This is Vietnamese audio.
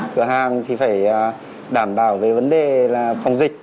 cửa hàng thì phải đảm bảo về vấn đề là phòng dịch